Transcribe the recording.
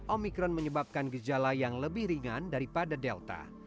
omikron menyebabkan gejala yang lebih ringan daripada delta